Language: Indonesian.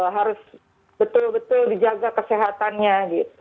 harus betul betul dijaga kesehatannya gitu